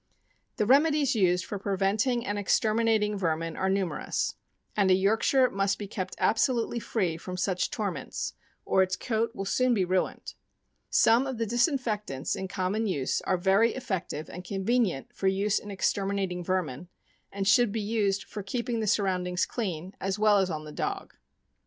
The remedies used for preventing and exterminating ver min are numerous; and a Yorkshire must be kept absolutely free from such torments, or its coat will soon be ruined. 448 THE AMERICAN BOOK OF THE DOG. Some of the disinfectants in common use are very effective and convenient for use in exterminating vermin, and should be used for keeping the surroundings clean, as well as on the dog.